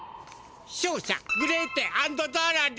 勝者グレーテ＆ゾロリ！